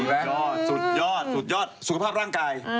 แล้วก็สุดยอดสุดยอดสุขภาพร่างกาย